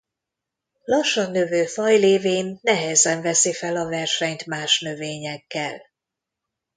Lassan növő faj lévén nehezen veszi fel a versenyt más növényekkel.